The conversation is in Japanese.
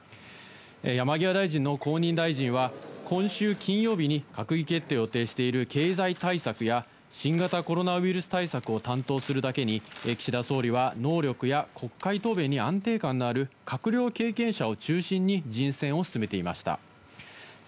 山際大臣の後任大臣は今週金曜日に閣議決定を予定している経済対策や、新型コロナウイルス対策を担当するだけに、岸田総理は能力や国会答弁に安定感のある閣僚経験者を中心に人選を進めていました。